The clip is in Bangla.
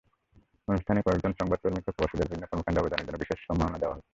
অনুষ্ঠানে কয়েকজন সংবাদকর্মীকে প্রবাসীদের বিভিন্ন কর্মকাণ্ডে অবদানের জন্য বিশেষ সম্মাননা দেওয়া হয়।